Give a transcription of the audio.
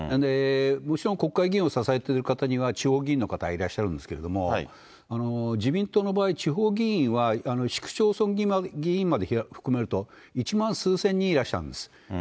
もちろん国会議員を支えている方には、地方議員の方がいらっしゃるんですけれども、自民党の場合、地方議員は、市区町村議員まで含めると１万数千人いらっしゃるんです。